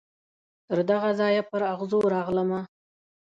تر دغه ځایه پر اغزو راغلمه